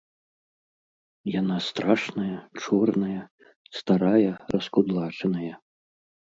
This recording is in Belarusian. Яна страшная, чорная, старая, раскудлачаная.